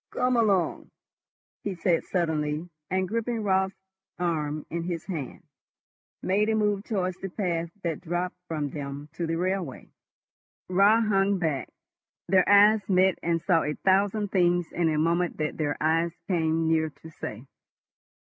"Come along," he said suddenly, and, gripping Raut's arm in his hand, made a move towards the path that dropped from them to the railway. Raut hung back. Their eyes met and saw a thousand things in a moment that their eyes came near to say.